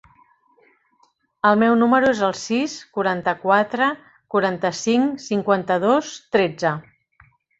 El meu número es el sis, quaranta-quatre, quaranta-cinc, cinquanta-dos, tretze.